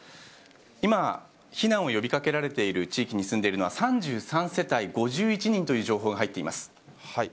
今、避難を呼び掛けられている地域に住んでいるのは３３世帯５１人という情報が入っています。